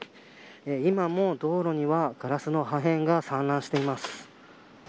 今も道路にはガラスの破片が散乱しています。